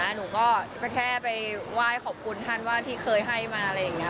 หนูก็แค่ไปไหว้ขอบคุณท่านว่าที่เคยให้มาอะไรอย่างนี้